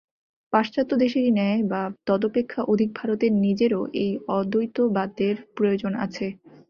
পাশ্চাত্য দেশেরই ন্যায় বা তদপেক্ষা অধিক ভারতের নিজেরও এই অদ্বৈতবাদের প্রয়োজন আছে।